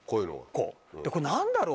これ何だろう？